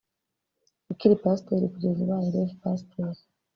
ukiri Pasiteri kugeza ubaye Rev Pasiteri